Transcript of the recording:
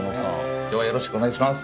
よろしくお願いします